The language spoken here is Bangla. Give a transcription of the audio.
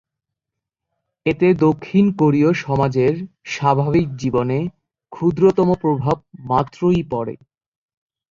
এতে দক্ষিণ কোরীয় সমাজের স্বাভাবিক জীবনে ক্ষুদ্রতম প্রভাব মাত্রই পড়ে।